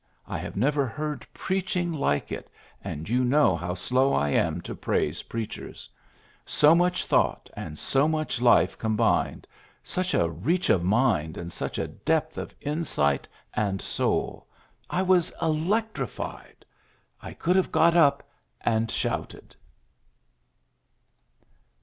I have never heard preaching like it, and you know how slow I am to praise preachers. So much thought and so much life combined, such a reach of mind, and such a depth of insight and soul. I was electrified. I could have got up and shouted."